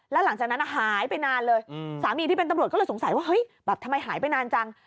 แล้วหลังจากนั้นหายไปนานเลยสามีที่เป็นตำรวจก็เลยสงสัยว่าเฮ้ยแบบทำไมหายไปนานจัง